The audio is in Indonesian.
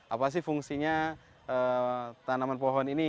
apa sih fungsinya tanaman pohon ini